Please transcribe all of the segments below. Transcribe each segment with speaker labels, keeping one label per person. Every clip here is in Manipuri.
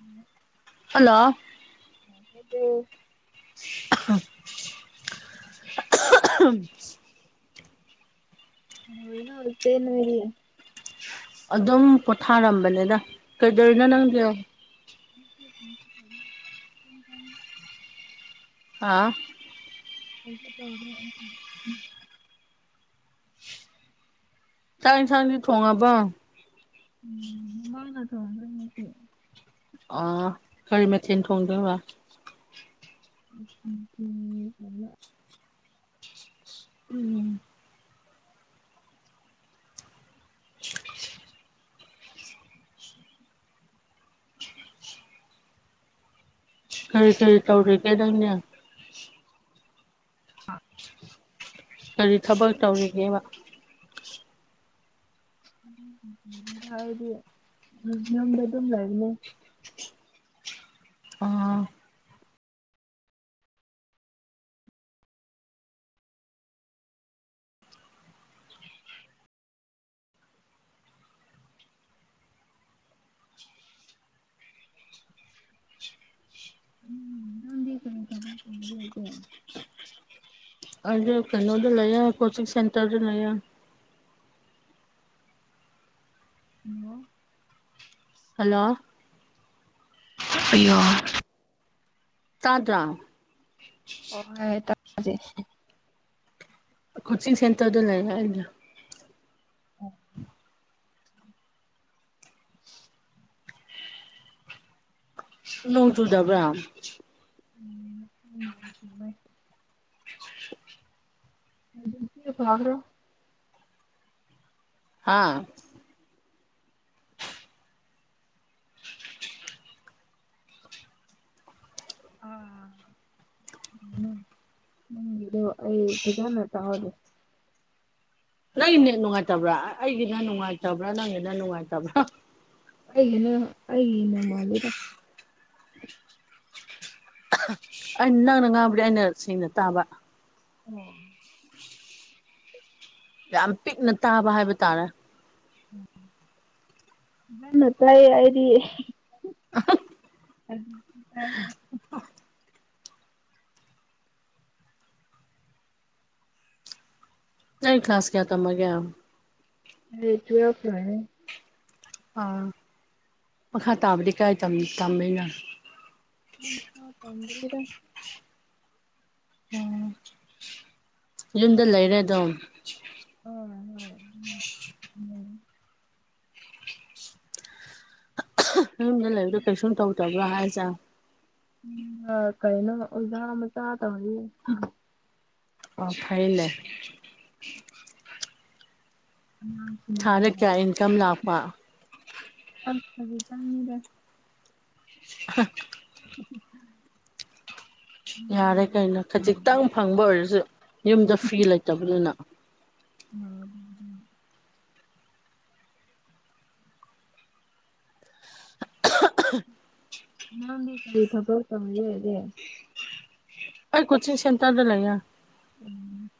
Speaker 1: ꯎꯝ
Speaker 2: ꯄꯨꯂꯣ
Speaker 1: ꯑꯗꯣ
Speaker 2: ꯑ ꯎꯝ
Speaker 1: ꯅ ꯁꯦꯅꯤ ꯃꯗꯤ
Speaker 2: ꯑꯗꯨꯝ ꯄꯣꯊꯥꯔꯝꯕꯅꯤꯗ ꯀꯩꯗꯧꯔꯤꯅꯣ ꯅꯪꯗꯤ
Speaker 1: ꯎꯝ ꯎ ꯊꯝ
Speaker 2: ꯑ
Speaker 1: ꯄꯩꯁ ꯇ
Speaker 2: ꯇꯏ ꯊꯥꯡ ꯊꯣꯡꯉꯕ
Speaker 1: ꯎꯝ ꯃꯃ ꯅ ꯊ ꯋꯥꯗ ꯉꯁꯤ
Speaker 2: ꯑ ꯀꯔꯤ ꯃꯊꯦꯟ ꯊꯣꯡꯗꯕ
Speaker 1: ꯎꯝ ꯎꯝ
Speaker 2: ꯎꯝ ꯈꯔꯤ ꯈꯔꯤ ꯇꯧꯔꯔꯤ ꯀꯩꯗꯪꯅ ꯑꯗꯨꯗꯤ ꯊꯕꯛ ꯇꯧꯔꯤꯒꯦꯕ
Speaker 1: ꯍꯥꯏꯗꯤ ꯌꯗ [inaudible] ꯑꯗꯨꯝ ꯂꯩꯅꯤ
Speaker 2: ꯑꯥ
Speaker 1: ꯎꯝ ꯉꯥꯟꯗꯦ ꯀ ꯀꯃ ꯀꯦ [unintelligible] [inaudible]
Speaker 2: ꯑꯗ ꯀꯩꯅꯣꯗ ꯂꯩ ꯀꯣꯆꯤꯡ ꯁꯦꯟꯇꯔꯗ ꯂꯩꯌꯦ ꯍꯜꯂꯣ
Speaker 1: ꯑꯩ ꯌ
Speaker 2: ꯇꯥꯗ꯭ꯔ
Speaker 1: ꯑꯣ ꯍꯣꯏ [unintelligible] ꯇꯖꯦ
Speaker 2: ꯀꯣꯆꯤꯡ ꯁꯦꯟꯇꯔ ꯗꯨ ꯂꯩ ꯏꯗ
Speaker 1: ꯎ [inaudible]
Speaker 2: ꯅꯣꯡ ꯆꯨꯗꯕ꯭ꯔ
Speaker 1: ꯎꯝ ꯎꯚꯥꯏ [inaudible] ꯐꯥꯕ꯭ꯔꯣ [inaudible]
Speaker 2: ꯍꯥꯥ
Speaker 1: ꯑꯥ ꯎ [inaudible] ꯅꯪꯗꯣ ꯑꯩ ꯐꯖꯅ ꯇ ꯍꯗ
Speaker 2: ꯅꯪꯒꯤꯅꯦ ꯅꯨꯡꯉꯥꯏꯇꯕ꯭ꯔꯥ ꯑꯩꯒꯤꯅ ꯅꯨꯡꯉꯥꯏꯇꯕ꯭ꯔꯥ ꯅꯪꯒꯤꯅ ꯅꯨꯡꯉꯥꯏꯇꯕ꯭ꯔꯥ
Speaker 1: ꯑꯩꯅ ꯑꯩꯅ ꯃꯦꯗ
Speaker 2: ꯑꯩꯅ ꯅꯪꯅ ꯉꯥꯡꯕꯗꯤ ꯑꯩꯅ ꯁꯦꯡꯅ ꯇꯥꯕ
Speaker 1: ꯑꯣ
Speaker 2: ꯌꯥꯝ ꯄꯤꯛꯅ ꯇꯥꯕ ꯍꯥꯏꯕ ꯇꯥꯔꯦ
Speaker 1: ꯅ ꯇꯥꯏꯌꯦ ꯍꯥꯏꯗꯤꯌꯦ [inaudible] ꯑ [inaudible]
Speaker 2: ꯅ ꯀ꯭ꯂꯥꯁ ꯀꯌꯥ ꯇꯃꯒꯦ
Speaker 1: ꯍ ꯇꯌꯥꯄ꯭ꯔꯅꯦ
Speaker 2: ꯑꯥ ꯃꯈꯥ ꯇꯥꯕꯗꯤ ꯀꯥꯏ ꯇꯝꯃꯦꯅꯣ
Speaker 1: ꯍ ꯇꯝꯗ꯭ꯔꯗ
Speaker 2: ꯎꯝ ꯌꯨꯝꯗ ꯂꯩꯔꯦ ꯑꯗꯨꯝ
Speaker 1: ꯑꯣ ꯍꯣꯏ ꯎꯝ
Speaker 2: ꯌꯨꯝꯗ ꯂꯩꯕꯗꯣ ꯀꯩꯁꯨꯝ ꯇꯧꯗꯕ꯭ꯔꯥ ꯍꯥꯏꯁꯦ
Speaker 1: ꯎ ꯀꯥꯏꯅ ꯑꯣꯖꯥ ꯃꯁꯥ ꯇ
Speaker 2: ꯑ ꯐꯥꯏ ꯂꯩꯦ ꯈꯔꯦ
Speaker 1: ꯑꯉꯥꯡꯁꯤꯡꯒꯤꯅ
Speaker 2: ꯀꯌꯥ ꯏꯟꯀꯝ ꯂꯥꯛꯄ
Speaker 1: ꯑ ꯇꯉꯗ
Speaker 2: [inaudible]
Speaker 1: ꯑ [inaudible]
Speaker 2: ꯌꯥꯔꯦ ꯀꯩꯅꯣ ꯈꯖꯤꯛꯇꯪ ꯐꯪꯕ ꯑꯣꯏꯔꯁꯨ ꯌꯨꯝꯗ ꯐꯤ ꯂꯩꯇꯕꯅꯤꯅ
Speaker 1: ꯅꯪ ꯀꯔꯤ ꯏ ꯊ ꯀ ꯇꯕ ꯂꯩꯦꯗꯦ
Speaker 2: ꯑꯩ ꯀꯣꯆꯤꯡ ꯁꯦꯟꯇꯔꯗ ꯂꯩꯌꯦ
Speaker 1: ꯎꯝ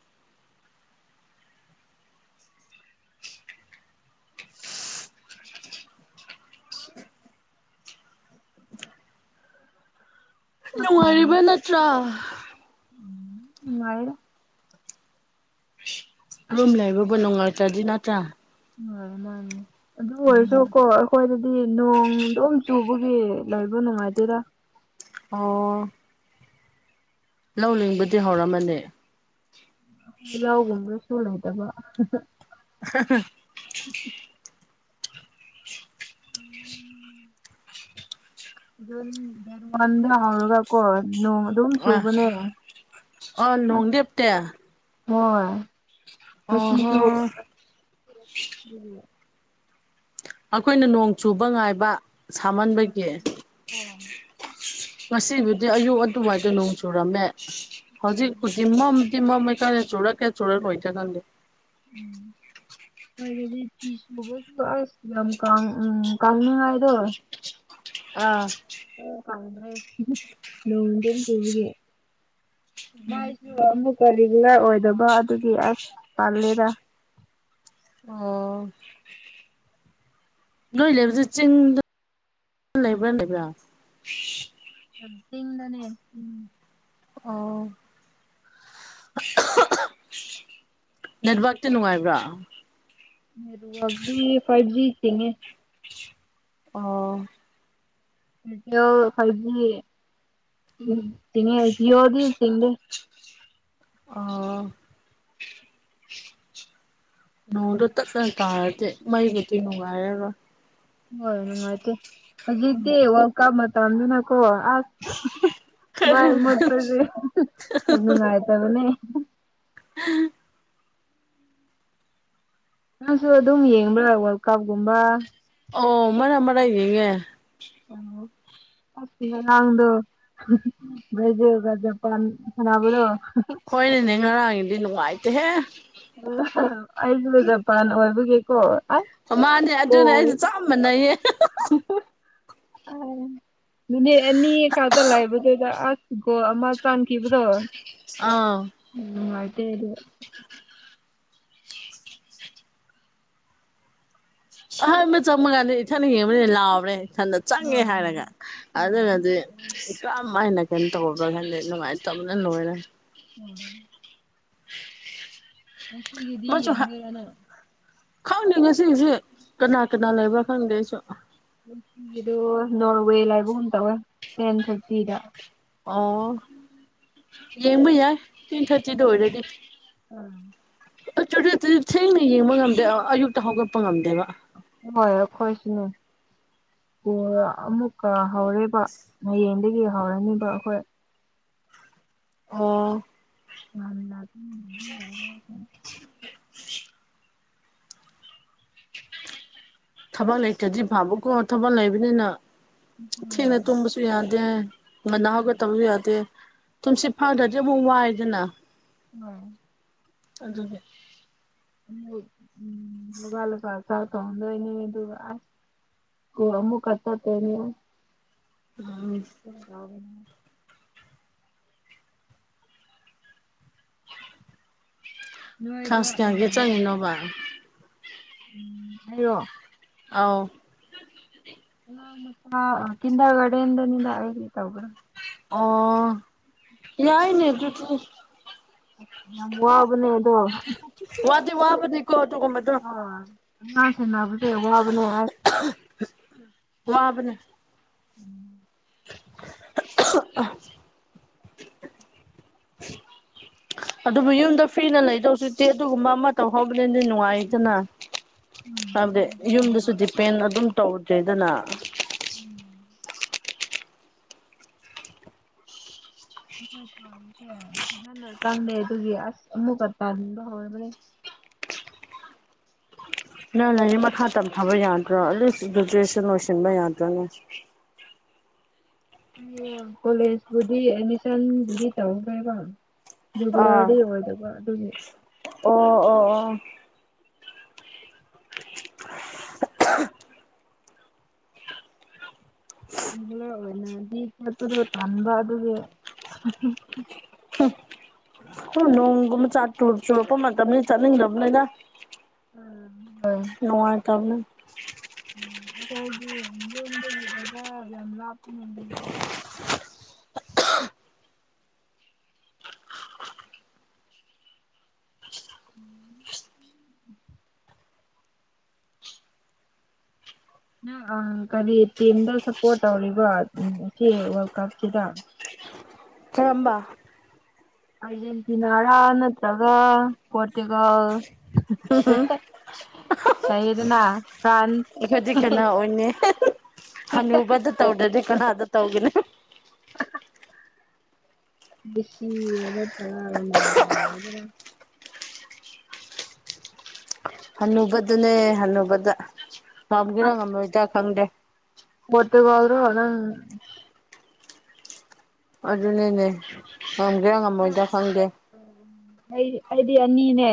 Speaker 1: ꯆꯥꯛ
Speaker 2: ꯅꯨꯡꯉꯥꯏꯔꯤꯕ ꯅꯠꯇ꯭ꯔꯥ
Speaker 1: ꯂꯔꯣ ꯑꯁ
Speaker 2: ꯔꯨꯝꯂꯕꯕ ꯅꯅꯨꯡꯂꯥꯏ ꯆꯗꯤ ꯅꯠꯇ꯭ꯔꯥ
Speaker 1: ꯃꯥ ꯃꯥꯅꯦ ꯑꯗꯨ ꯑꯣꯏꯔꯁꯨꯀꯣ ꯑꯩꯈꯣꯏꯗꯗꯤ ꯁꯤ ꯅꯣꯡ ꯗꯨꯝ ꯆꯨꯕꯒꯤ ꯂꯩꯕ ꯅꯨꯡꯉꯥꯏꯗꯣꯏꯔ
Speaker 2: ꯑꯣ ꯂꯧ ꯂꯤꯡꯕꯗꯤ ꯍꯧꯔꯝꯃꯅꯤ
Speaker 1: ꯌꯥꯎꯒꯨꯝꯕꯁꯨ ꯂꯩꯗꯕ [inaudible]
Speaker 2: [inaudible]
Speaker 1: ꯎꯝ ꯑꯗꯨ [inaudible] ꯗꯦꯔꯟ [inaudible] ꯍꯧꯒ ꯀꯣ ꯅꯣꯡ ꯑꯗꯨꯝ
Speaker 2: ꯑ
Speaker 1: ꯆꯨꯕꯅꯦ
Speaker 2: ꯑ ꯅꯣꯡ ꯂꯦꯞꯇꯦ
Speaker 1: ꯃꯣꯏ
Speaker 2: ꯑꯣꯍꯣ
Speaker 1: ꯉꯁꯤꯁꯨ
Speaker 2: ꯑꯩꯈꯣꯏꯅ ꯅꯣꯡ ꯆꯨꯕ ꯉꯥꯏꯕ ꯁꯥꯃꯟꯕꯒꯤ
Speaker 1: ꯎꯝ ꯍꯣꯏ
Speaker 2: ꯉꯁꯤꯕꯨꯗꯤ ꯑꯌꯨꯛ ꯑꯗꯨꯋꯥꯏꯗ ꯅꯣꯡ ꯆꯨꯔꯝꯃꯦ
Speaker 1: ꯎꯝ
Speaker 2: ꯍꯧꯖꯤꯛꯄꯨꯗꯤ ꯃꯝ ꯃꯝꯃꯦ ꯀꯟꯅ ꯆꯨꯔꯀꯦ ꯆꯨꯔꯛꯑꯣꯏꯗꯔ ꯈꯪꯗꯦ
Speaker 1: [unintelligible] [unintelligible]
Speaker 2: ꯑꯥ
Speaker 1: ꯅꯣꯡ ꯑꯗꯨꯝ ꯆꯨꯕꯒꯤ ꯃꯥꯏꯁꯨ ꯑꯃꯨꯛꯀ ꯔꯤꯒꯨꯂꯔ ꯑꯣꯏꯗꯕ ꯑꯗꯨꯒꯤ ꯑꯁ ꯇꯜꯂꯦꯗ [unintelligible]
Speaker 2: ꯑꯣ ꯅꯣꯏ ꯂꯩꯕꯁꯦ ꯆꯤꯡꯗ ꯂꯩꯕ꯭ꯔꯥ ꯂꯩꯕ꯭ꯔꯥ
Speaker 1: ꯆꯤꯡꯗꯅꯦ
Speaker 2: ꯑꯣ ꯅꯦꯠꯋꯥꯛꯇꯤ ꯅꯨꯡꯉꯥꯏꯕ꯭ꯔꯥ
Speaker 1: ꯅꯦꯠꯋꯥꯛꯇꯤ ꯐꯥꯏ ꯖꯤ ꯆꯤꯡꯉꯦ
Speaker 2: ꯑꯣ
Speaker 1: ꯐꯥꯏ ꯖꯤ ꯎꯝ ꯆꯤꯡꯑꯦ ꯖꯤꯑꯣꯗꯤ ꯆꯤꯡꯗꯦ
Speaker 2: ꯑ ꯅꯣꯡꯗꯣ ꯇꯠ ꯇꯠ ꯇꯥꯔꯗꯤ ꯃꯩꯒꯤꯗꯤ ꯅꯨꯡꯉꯥꯏꯔꯔꯣꯏ
Speaker 1: ꯍꯣꯏ ꯅꯨꯡꯉꯥꯏꯇꯦ ꯍꯧꯖꯤꯛꯇꯤ ꯋꯥꯀꯥꯞ ꯃꯇꯝꯅꯤꯅ ꯀꯣ ꯑꯣ ꯑ ꯃꯩ ꯃꯨꯠꯄꯁꯦ ꯅꯨꯡꯉꯥꯏꯇꯕꯅꯦ
Speaker 2: [unintelligible]
Speaker 1: ꯅꯪꯁꯨ ꯑꯗꯨꯝ ꯌꯦꯡꯕ꯭ꯔꯥ ꯋꯥꯔꯜ ꯀꯞꯀꯨꯝꯕ
Speaker 2: ꯑꯣ ꯃꯔꯛ ꯃꯔꯛ ꯌꯦꯡꯑꯦ
Speaker 1: ꯑꯣ ꯉꯔꯥꯡꯗꯨ ꯕ꯭ꯔꯥꯖꯤꯜ ꯒ ꯖꯥꯄꯥꯟꯒ ꯁꯥꯟꯅꯕꯗꯨ
Speaker 2: ꯍꯣꯏꯅꯦ ꯉꯔꯥꯡꯗꯤ ꯅꯨꯡꯉꯥꯏꯇꯦꯍꯦ
Speaker 1: ꯑꯩꯁꯨ ꯖꯄꯥꯟ ꯑꯣꯏꯕꯒꯤꯀꯣ ꯑꯁ
Speaker 2: ꯃꯥꯅꯦ ꯑꯗꯨꯅꯦ
Speaker 1: ꯒꯣꯜ
Speaker 2: ꯑꯩꯁꯨꯦ ꯆꯥꯞꯃꯅꯩꯌꯦ
Speaker 1: [unintelligible] ꯅꯨꯃꯤꯠ ꯑꯅꯤ ꯈꯛꯇ ꯂꯥꯏꯕꯗꯨꯗ ꯑꯁ ꯒꯣꯜ ꯑꯃ ꯆꯥꯟꯈꯤꯕꯗꯣ
Speaker 2: ꯑꯥ
Speaker 1: [unintelligible]
Speaker 2: [unintelligible] ꯑꯍꯥꯟꯕ ꯆꯟꯕ ꯀꯥꯟꯗ ꯏꯊꯟ ꯌꯦꯡꯕꯅꯤꯅꯦ ꯂꯥꯎꯔꯦ ꯊꯟꯗ ꯆꯪꯉꯦ ꯍꯥꯏꯔꯒ
Speaker 1: ꯍꯣꯏ
Speaker 2: ꯑꯗꯨꯒꯗꯤ ꯀꯩꯅꯣ ꯇꯧꯕ꯭ꯔꯥ ꯈꯟꯗꯦ ꯅꯨꯡꯉꯥꯏꯅ ꯇꯕꯅ ꯂꯣꯏꯔꯦ
Speaker 1: ꯎꯝ
Speaker 2: [unintelligible]
Speaker 1: ꯉꯁꯤꯒꯗꯤ
Speaker 2: ꯃꯥꯁꯨ
Speaker 1: ꯌꯦꯡꯗꯣꯏꯔ ꯅꯪ
Speaker 2: ꯈꯪꯗꯦ ꯉꯁꯤꯁꯦ ꯀꯅꯥ ꯀꯅꯥ ꯂꯩꯕ꯭ꯔꯥ ꯈꯪꯗꯦ ꯑꯩꯁꯨ
Speaker 1: ꯉꯁꯤꯒꯤꯗꯨ ꯅꯣꯔꯋꯦ ꯂꯥꯏꯕꯒꯨꯝ ꯇꯧꯋꯦ ꯇꯦꯟ ꯊꯥꯔꯇꯤꯗ
Speaker 2: ꯑꯣ ꯌꯦꯡꯕ ꯌꯥꯏ ꯇꯦꯟ ꯊꯥꯔꯇꯤꯗ ꯑꯣꯏꯔꯗꯤ
Speaker 1: ꯎꯝ
Speaker 2: ꯊꯦꯡꯅ ꯌꯦꯡꯕ ꯉꯝꯗꯦ ꯑꯌꯨꯛꯇ ꯍꯧꯒꯠꯄ ꯉꯝꯗꯦꯕ
Speaker 1: ꯍꯣꯏ ꯑꯩꯈꯣꯏꯁꯨꯅꯦ ꯑꯣ ꯑꯃꯨꯛꯀ ꯍꯧꯔꯦꯕ ꯍꯌꯦꯡꯗꯒꯤ ꯍꯧꯔꯅꯤꯕ ꯑꯩꯈꯣꯏ
Speaker 2: ꯑꯣ
Speaker 1: ꯃꯥꯟꯗꯗ
Speaker 2: ꯊꯕꯛ ꯂꯩꯇꯗ꯭ꯔꯤ ꯐꯕꯀꯣ ꯊꯕꯛ ꯂꯩꯕꯅꯤꯅ ꯊꯦꯡꯅ ꯇꯣꯡꯕꯁꯨ ꯌꯥꯗꯦ ꯉꯟꯅ ꯍꯧꯒ ꯇꯧꯁꯨ ꯌꯥꯗꯦ ꯇꯨꯝꯁꯤ ꯐꯪꯗ꯭ꯔꯗꯤ ꯑꯃꯨꯛ ꯋꯥꯏꯗꯅ
Speaker 1: ꯑꯝ
Speaker 2: ꯑꯗꯨꯅꯦ
Speaker 1: ꯎꯝ ꯣꯒꯜ ꯐ ꯆ ꯇ ꯍꯗꯅꯤꯗꯨ ꯑꯣ ꯑꯃꯃꯨ ꯀꯠꯇ ꯇꯅꯣ
Speaker 2: ꯎꯝ
Speaker 1: ꯍ ꯅꯣꯏꯗ
Speaker 2: ꯈꯥꯁ ꯊ ꯀꯦ
Speaker 1: ꯑꯥ
Speaker 2: ꯆꯅꯣꯕ
Speaker 1: ꯎꯝ ꯍꯥꯏꯣ
Speaker 2: ꯑꯥꯎ
Speaker 1: ꯀꯒꯅꯤ ꯍꯥꯏ ꯇ
Speaker 2: ꯑꯣ ꯌꯥꯏꯅꯦ ꯑꯗꯨ
Speaker 1: ꯌꯥꯝ ꯃꯕꯅꯦꯗꯣ
Speaker 2: ꯋꯥꯗꯤ ꯋꯥꯕꯅꯤꯀꯣ ꯑꯗꯨꯒꯨꯝꯕꯗꯣ
Speaker 1: ꯑ ꯑ ꯁꯤꯅꯥꯕꯨꯁ ꯋꯥ ꯋꯥꯕꯅꯦ ꯍꯥꯏ
Speaker 2: ꯃꯥꯕꯅꯦ
Speaker 1: ꯎꯝ
Speaker 2: [inaudible] ꯑꯗꯨꯕꯨ ꯌꯨꯝꯗ ꯐ꯭ꯔꯤꯅ ꯂꯩꯗꯧꯁꯨꯇꯦ ꯑꯗꯨꯒꯨꯝꯕ ꯑꯃ ꯇꯧꯍꯧꯕꯅꯤꯗꯤ ꯅꯨꯡꯉꯥꯏꯗꯅ
Speaker 1: ꯎꯝ
Speaker 2: ꯍꯥꯏꯕꯗꯤ ꯌꯨꯝꯗꯁꯨ
Speaker 1: ꯑꯗꯨꯒꯨꯝꯕ
Speaker 2: ꯗꯤꯄꯦꯟ ꯑꯗꯨꯝ ꯇꯧꯗ꯭ꯔꯦꯗꯅ
Speaker 1: ꯎꯝ ꯑꯩꯈꯣꯏꯁꯦ ꯌꯥꯝꯟꯅ ꯆꯥꯡꯅꯩ ꯑꯗꯨꯒꯤ ꯑꯁ ꯑꯃꯨꯛꯀ ꯇꯥꯟꯕ ꯍꯧꯔꯕꯅꯦ [inaudible]
Speaker 2: ꯅꯪ ꯂꯥꯏꯔꯤꯛ ꯃꯈꯥ ꯇꯝꯊꯥꯕ ꯌꯥꯗ꯭ꯔꯣ ꯑꯦꯠꯂꯤꯁ ꯒꯦꯖꯨꯦꯁꯟ ꯂꯣꯏꯁꯤꯟꯕ ꯌꯥꯗ꯭ꯔꯅꯦ
Speaker 1: ꯑ ꯀꯣꯂꯦꯖꯄꯨꯗꯤ ꯑꯦꯗꯃꯤꯁꯟꯕꯨꯗꯤ ꯇꯧꯈ꯭ꯔꯦꯕꯣ
Speaker 2: ꯑꯥ
Speaker 1: ꯗꯨꯒꯒꯥꯗꯤ ꯑꯣꯏꯗꯕ ꯑꯗꯨꯒꯤ
Speaker 2: ꯑꯣ ꯑꯣ ꯑꯣ
Speaker 1: ꯑꯣꯏꯅꯗꯤ ꯄꯣꯠꯇꯨꯗ ꯇꯥꯟꯕ ꯑꯗꯨꯒꯤ
Speaker 2: ꯅꯣꯡꯒꯨꯝꯕ ꯆ ꯆꯨꯔꯛꯄ ꯃꯇꯝꯅꯤ ꯆꯥꯅꯤꯡꯗ꯭ꯔꯕꯅꯤꯅ ꯅꯨꯡꯉ ꯇꯥꯕꯅ
Speaker 1: ꯎꯝ ꯑꯩꯈꯣꯏꯗꯤ ꯌꯨꯝꯗꯒꯤ ꯕꯖꯥꯔ ꯌꯥꯝ ꯂꯥꯞꯄꯅꯦ ꯎꯝ ꯅꯪ ꯀꯔꯤ ꯇꯤꯝꯗ ꯁꯞꯄꯣꯔꯠ ꯇꯧꯔꯤꯔꯤꯕꯣ ꯁꯤ ꯋꯥꯔꯜ ꯀꯞꯁꯤꯗ
Speaker 2: ꯆꯔꯝꯕ
Speaker 1: ꯑꯔꯖꯦꯟꯇꯤꯅꯥꯔ ꯅꯠꯇ꯭ꯔꯒ ꯄꯣꯣꯔꯇꯨꯒꯜ
Speaker 2: ꯍꯝ ꯍꯝ
Speaker 1: ꯇꯩꯗꯅꯥ
Speaker 2: ꯑꯩꯈꯣꯏꯗꯤ ꯀꯅꯥ ꯑꯣꯏꯅꯤ ꯍꯅꯨꯕꯗ ꯇꯧꯗ꯭ꯔꯗꯤ ꯀꯅꯥꯗ ꯇꯧꯒꯦꯅꯤ
Speaker 1: ꯗꯤꯁꯤ ꯇꯗꯥꯅ
Speaker 2: ꯍꯟꯅꯨꯕꯗꯅꯦ ꯍꯟꯅꯨꯕꯗ ꯉꯝꯒꯦꯔꯥ ꯉꯝꯂꯣꯏꯗ꯭ꯔꯥ ꯈꯪꯗꯦ
Speaker 1: ꯃꯠꯇꯀꯜ꯭ꯔꯣꯅꯪ
Speaker 2: ꯑꯗꯨꯅꯤꯅꯦ ꯉꯝꯒꯦ ꯉꯝꯃꯣꯏꯗ ꯈꯪꯒꯦ
Speaker 1: ꯑꯩ ꯑꯩꯗꯤ ꯑꯅꯤꯅꯦ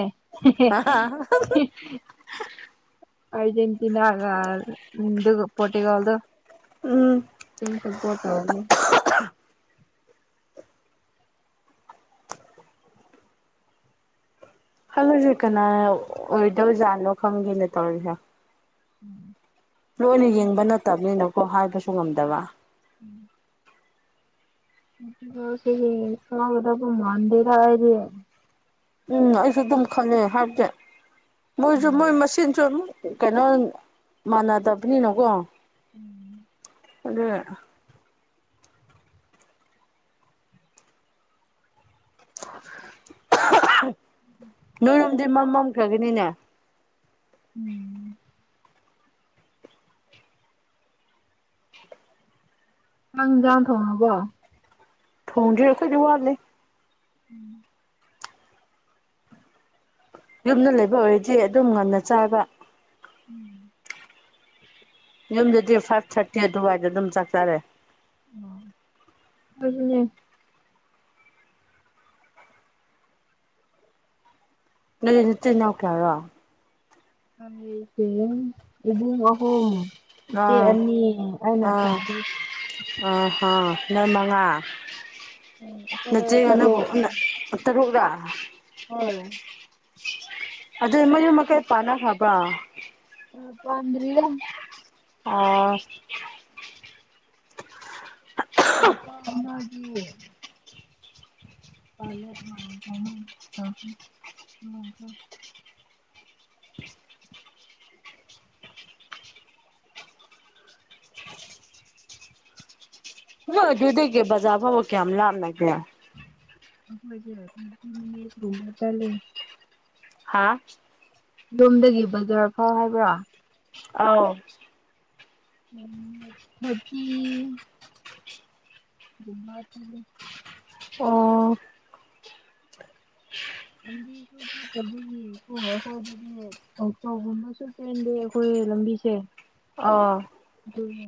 Speaker 1: ꯑꯔꯖꯦꯟꯇꯤꯅꯥꯒꯗꯨ ꯄꯣꯔꯇꯨꯒꯜꯗꯨ
Speaker 2: ꯎꯝ
Speaker 1: ꯎꯁꯨ ꯄꯣꯠꯇꯦ
Speaker 2: ꯆꯂꯦ ꯀꯅꯥ ꯑꯣꯏꯋꯗꯧꯖꯥꯅꯣ ꯈꯪꯒꯦꯅꯦ ꯇꯧꯖ
Speaker 1: ꯎꯝ
Speaker 2: ꯂꯣꯏꯅ ꯌꯦꯡꯕ ꯅꯠꯇꯕꯅꯤꯅꯀꯣ ꯍꯥꯏꯕꯁꯨ ꯉꯝꯗꯕ
Speaker 1: ꯁꯤ ꯊꯗ ꯃꯗꯔ ꯍꯥꯏꯗꯤ
Speaker 2: ꯎꯝ ꯑꯩꯁꯨ ꯑꯗꯨꯝ ꯈꯪꯉꯦ ꯍꯥꯏꯕꯗꯤ ꯃꯣꯏꯁꯨ ꯃꯣꯏ ꯃꯆꯤꯟꯁꯨ ꯑꯗꯨꯝ ꯀꯩꯅꯣ ꯃꯥꯟꯅꯗꯕꯅꯤꯅꯀꯣ
Speaker 1: ꯎꯝ
Speaker 2: ꯑꯗꯨꯅ ꯑꯍ ꯅꯣꯏꯔꯨꯝꯗꯤ ꯃꯝꯃꯝꯈ꯭ꯔꯒꯅꯤꯅꯦ꯫
Speaker 1: ꯎꯝ ꯍꯪꯖꯥꯡ ꯊꯣꯡꯑꯕꯣ꯫
Speaker 2: ꯊꯣꯡꯗ꯭ꯔꯤ ꯑꯈꫭꯏꯗꯤ ꯋꯥꯠꯂꯤ꯫
Speaker 1: ꯎꯝ
Speaker 2: ꯌꯨꯝꯅ ꯂꯩꯕ ꯑꯣꯏꯔꯗꯤ ꯑꯗꯨꯝ ꯉꯟꯅ ꯆꯥꯌꯦꯕ꯫
Speaker 1: ꯎꯝ
Speaker 2: ꯌꯨꯝꯗꯗꯤ ꯐꯥꯏꯚ ꯊꯥꯔꯇꯤ ꯑꯗꯨꯋꯥꯏꯗ ꯑꯗꯨꯝ ꯆꯥꯛ ꯆꯥꯔꯦ꯫
Speaker 1: ꯑꫭ ꯑꯗꯨꯅꯦ꯫
Speaker 2: ꯅꯅꯦ ꯅꯆꯤꯟ ꯅꯥꯎ ꯀꯌꯥꯔꯣ꯫
Speaker 1: ꯑꯩꯇꯤꯟ ꯏꯕꯨꯡ ꯑꯍꯨꯝ
Speaker 2: ꯑ
Speaker 1: ꯏꯆꯦ ꯑꯅꯤ ꯑꯩꯅ
Speaker 2: ꯥ ꯑꯥ
Speaker 1: ꯑꯇꯣꯝꯕꯤ
Speaker 2: ꯑ ꯍꯥ ꯅ ꯃꯉꯥ
Speaker 1: ꯎꯝ ꯑꯩꯈꯣꯏ
Speaker 2: ꯅꯠꯆꯦꯒꯅ
Speaker 1: ꯇꯔꯨꯛ
Speaker 2: ꯇꯔꯨꯛꯔꯥ꯫
Speaker 1: ꯍꯣꯏ꯫
Speaker 2: ꯑꯗꯨ ꯃꯌꯨꯃ ꯃꯀꯩ ꯄꯥꯟꯅ ꯈꯕ꯭ꯔꯥ꯫
Speaker 1: ꯄꯥꯟꯗ꯭ꯔꯤꯗ꯫
Speaker 2: ꯑꫭ
Speaker 1: ꯅꯨꯄꯥ ꯑꯃꯒꯤ ꯄꯥꯂꯦ [inaudible]
Speaker 2: ꯅꫭꯏ ꯑꯗꯨꯗꯒꯦ ꯕꯖꯥꯔ ꯐꯥꯎꯕꯨ ꯀꯌꯥꯝ ꯂꯥꯞꯅꯒꯦ꯫
Speaker 1: ꯑꯈꯣꯏꯁꯦ [inaudible] ꯒꯨꯝꯕ ꯆꯠꯂꯤ꯫
Speaker 2: ꯍꯥꯥ
Speaker 1: ꯌꯨꯝꯗꯒꯤ ꯕꯖꯥꯔ ꯐꯥꯎ ꯍꯥꯏꯕ꯭ꯔꫭ꯫
Speaker 2: ꯑꯥꯎ꯫
Speaker 1: ꯎꯝ ꯊꯔꯇꯤ ꯒꯨꯝꯕꯥ ꯆꯠꯂꯦ꯫
Speaker 2: ꯑꯣ
Speaker 1: ꯂꯝꯕꯤꯁꯨ ꯐꯠꯇꯕꯒꯤꯀꫭ ꯑꯈꯣꯏꯗꯗꯤ ꯑꯣꯇꯣꯒꯨꯝꯕꯁꯨ ꯆꯦꯟꯗꯦ ꯑꯈꯣꯏ꯫ ꯒꯤ ꯂꯝꯕꯤꯁꯦ꯫
Speaker 2: ꯑꯥꯎ
Speaker 1: ꯑꯗꯨꯅꯦ꯫